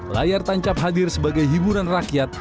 layar tancap hadir sebagai hiburan rakyat